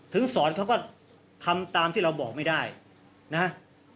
สอนเขาก็ทำตามที่เราบอกไม่ได้นะฮะ